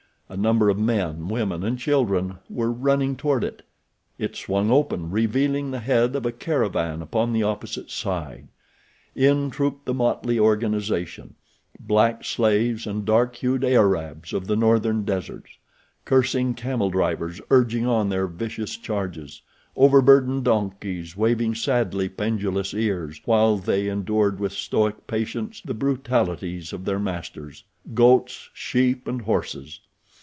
A number of men, women and children were running toward it. It swung open, revealing the head of a caravan upon the opposite side. In trooped the motley organization—black slaves and dark hued Arabs of the northern deserts; cursing camel drivers urging on their vicious charges; overburdened donkeys, waving sadly pendulous ears while they endured with stoic patience the brutalities of their masters; goats, sheep and horses.